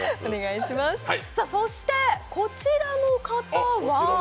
そして、こちらの方は。